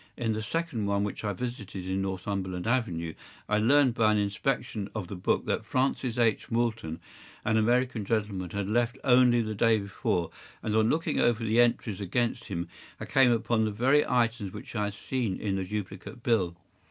In the second one which I visited in Northumberland Avenue, I learned by an inspection of the book that Francis H. Moulton, an American gentleman, had left only the day before, and on looking over the entries against him, I came upon the very items which I had seen in the duplicate bill.